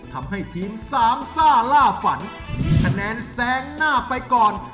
ทำให้ทีมสามซ่าล่าฝันมีคะแนนแซงหน้าไปก่อน